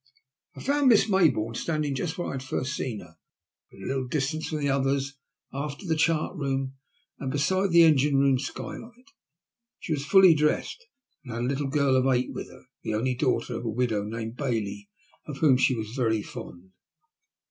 I found Miss Mayboume standing just where I had first seen her, at a little distance from the others, aft of the chart room and beside the engine room skylight. She was fully dressed, and had a little girl of eight with her, the only daughter of a widow named Bailey, of whom she was very fond.